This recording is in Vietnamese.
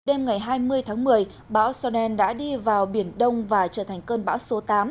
đêm ngày hai mươi tháng một mươi bão sonnen đã đi vào biển đông và trở thành cơn bão số tám